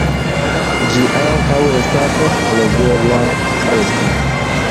Ĝi ankaŭ estas legebla rete.